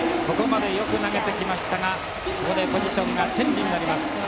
ここまでよく投げてきましたがここでポジションがチェンジになります。